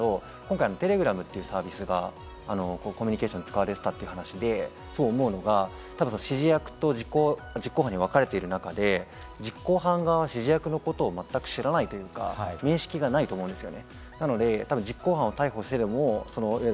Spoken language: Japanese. テレグラムというサービスがコミュニケーションに使われていたという話で思うのが指示役と実行犯にわかれている中で実行犯側が指示役のことを全く知らないというか、面識がないと思うんですね。